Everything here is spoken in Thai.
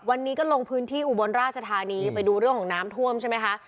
วันนี้ก็ลงพื้นที่อุบลราชธานีไปดูเรื่องของน้ำท่วมใช่ไหมคะ